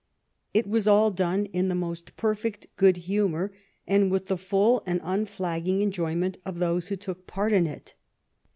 It was all done in the most perfect good humor and with the full and un flagging enjoyment of those who took part in it.